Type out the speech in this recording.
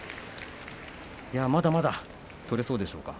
まだまだ取れそうでしょうか。